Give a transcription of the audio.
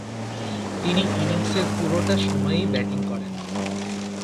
তিনি ইনিংসের পুরোটা সময়ই ব্যাটিং করেন।